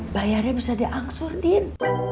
bayarnya bisa diangsur din